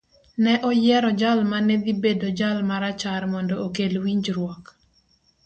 Ne oyiero jal ma ne dhi bedo jal ma rachar mondo okel winjruok